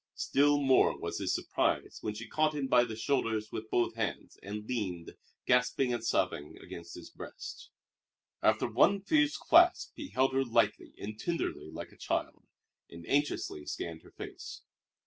Still more was his surprise when she caught him by the shoulders with both hands and leaned, gasping and sobbing, against his breast. After one fierce clasp he held her lightly and tenderly like a child, and anxiously scanned her face.